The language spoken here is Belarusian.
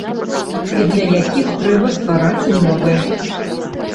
І для якіх трэба ствараць умовы.